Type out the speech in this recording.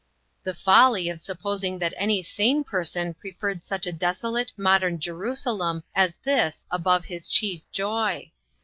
The folly of supposing that any sane per son preferred such a desolate, modern Je rusalem as this above his chief joy